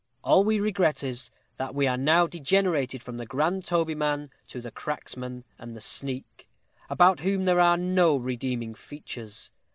All we regret is, that we are now degenerated from the grand tobyman to the cracksman and the sneak, about whom there are no redeeming features.